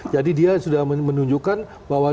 jadi dia sudah menunjukkan bahwa